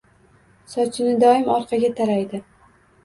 Sochini doim orqaga taraydi